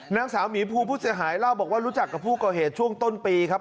นางสาวหมีภูผู้เสียหายเล่าบอกว่ารู้จักกับผู้ก่อเหตุช่วงต้นปีครับ